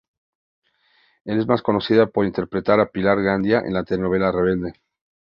Es más conocida por interpretar a Pilar Gandía en la telenovela "Rebelde".